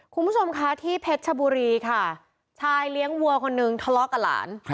คุณผู้ชมคะที่เพชรชบุรีค่ะชายเลี้ยงวัวคนนึงทะเลาะกับหลาน